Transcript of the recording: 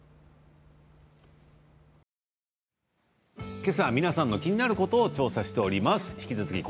けさは皆さんの気になることを調査しております。